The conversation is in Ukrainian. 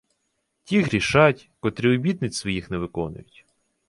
Ті грішать, котрі обітниць своїх не виконують.